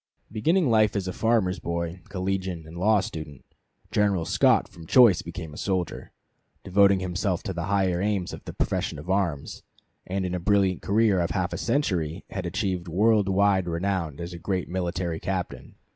Beginning life as a farmer's boy, collegian, and law student, General Scott from choice became a soldier, devoting himself to the higher aims of the profession of arms, and in a brilliant career of half a century had achieved world wide renown as a great military captain.